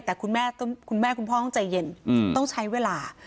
แต่คุณแม่คุณพ่อต้องใจเย็นต้องใช้เวลา